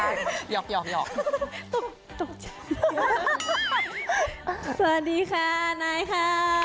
ยอกยอกยอกยอกสวัสดีค่ะนายค่ะ